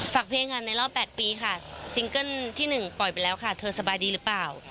เพลงงานในรอบ๘ปีค่ะซิงเกิ้ลที่๑ปล่อยไปแล้วค่ะเธอสบายดีหรือเปล่า